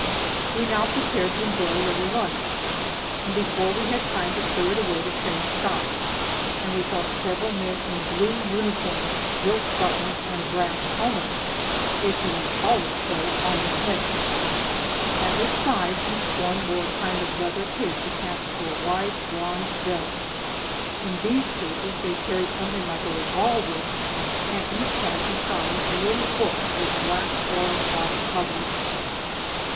We now prepared to enjoy a little lunch, and before we had time to clear it away the train stopped, and we saw several men in blue uniforms, gilt buttons and brass helmets, if you may call them so, on their heads. At his side each wore a kind of leather case attached to a wide bronze belt. In these cases they carried something like a revolver, and each had, besides, a little book with black oilcloth covers.